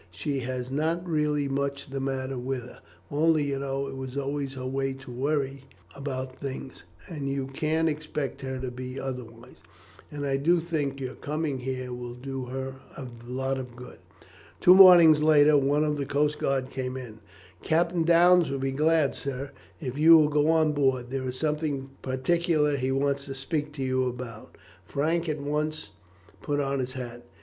She has not really much the matter with her; only you know it was always her way to worrit about things, and you can't expect her to be otherwise, and I do think your coming here will do her a lot of good." Two mornings later one of the coast guard came in. "Captain Downes will be glad, sir, if you will go on board; there is something particular that he wants to speak to you about." Frank at once put on his hat.